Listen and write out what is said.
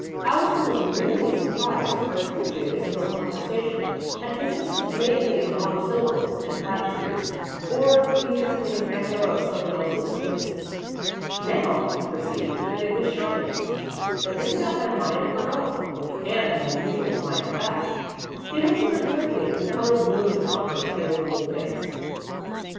Allison was agreeably surprised, for hitherto Isabel's conversation had consisted mainly of monosyllables and platitudes, or the hesitating echo of someone's else opinion. Now he perceived that it was shyness; that Isabel had a mind of her own, and an unusual mind, at that. He looked at her quickly and the colour bloomed upon her pale, cold face.